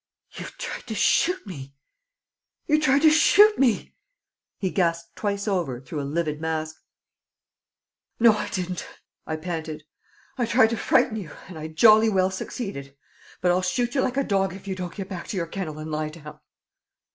"You tried to shoot me! You tried to shoot me!" he gasped twice over through a livid mask. "No, I didn't!" I panted. "I tried to frighten you, and I jolly well succeeded! But I'll shoot you like a dog if you don't get back to your kennel and lie down."